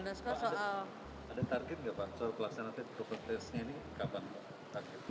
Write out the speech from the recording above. ada target gak pak soal kelasnya nanti kepertesnya ini kapan pak